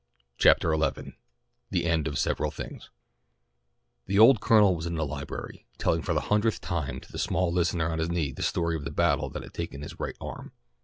CHAPTER XI THE END OF SEVERAL THINGS THE old Colonel was in the library, telling for the hundredth time to the small listener on his knee the story of the battle that had taken his right arm.